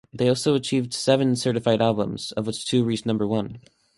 They also achieved seven certified albums, of which two reached number one.